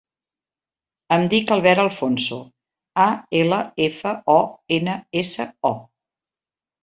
Em dic Albert Alfonso: a, ela, efa, o, ena, essa, o.